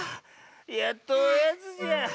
やっとおやつじゃ。